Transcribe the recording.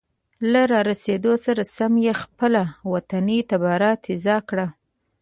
له را رسیدو سره سم یې خپله وطني تباره تیزه کړه.